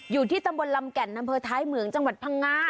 อยู่ที่ตำบลลำแก่นนำเภอท้ายเหมืองจังหวัดพังงา